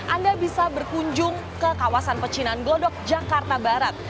anda bisa berkunjung ke kawasan pecinan glodok jakarta barat